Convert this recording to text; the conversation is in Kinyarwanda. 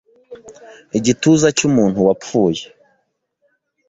igituza cy'umuntu wapfuye -”